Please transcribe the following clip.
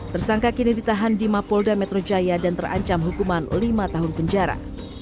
tersangka kini ditahan di mapolda metro jaya dan terancam hukuman lima tahun penjara